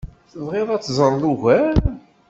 Tebɣiḍ ad teẓreḍ ugar?